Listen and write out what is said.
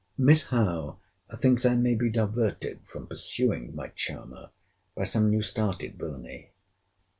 Miss Howe thinks I may be diverted from pursuing my charmer, by some new started villany.